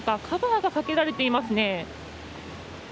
カバーがかけられていますね。